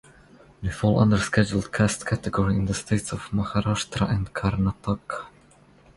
They fall under Scheduled Caste category in the states of Maharashtra and Karnataka.